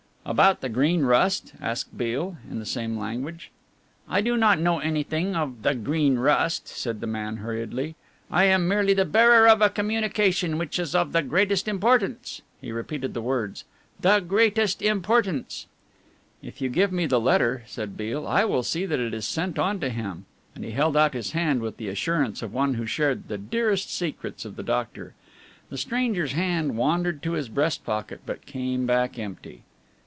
"About the Green Rust?" asked Beale, in the same language. "I do not know anything of the Green Rust," said the man hurriedly. "I am merely the bearer of a communication which is of the greatest importance." He repeated the words "the greatest importance." "If you give me the letter," said Beale, "I will see that it is sent on to him," and he held out his hand with the assurance of one who shared the dearest secrets of the doctor. The stranger's hand wandered to his breast pocket, but came back empty.